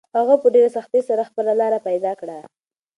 هغه په ډېرې سختۍ سره خپله لاره پیدا کړه.